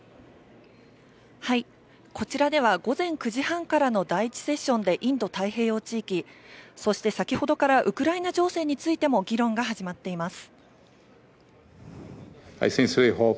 こちらでは午前９時半からの第１セッションでインド太平洋地域、そして先程からウクライナ情勢についても議論が始まっています。